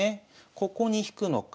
ここに引くのか